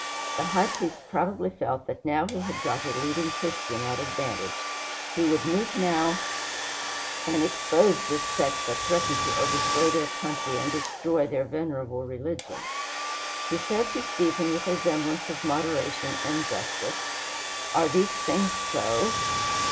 The High Priest probably felt that now he had got a leading Christian at advantage. He would meet now and expose this sect that threatened to overthrow their country and destroy their venerable religion. He said to Stephen, with a semblance of moderation and justice, "Are these things so?"